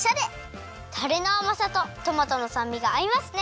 タレのあまさとトマトのさんみがあいますね。